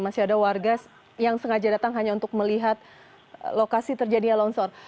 masih ada warga yang sengaja datang hanya untuk melihat lokasi terjadinya longsor